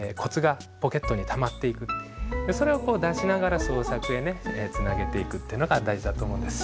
それをこう出しながら創作へつなげていくというのが大事だと思うんです。